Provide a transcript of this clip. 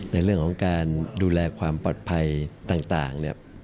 ในเรื่องของการดูแลความปลอดภัยต่างเนี่ย